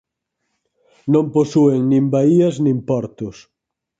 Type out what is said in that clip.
Non posúen nin baías nin portos.